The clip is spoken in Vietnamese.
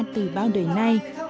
từ bao đời nay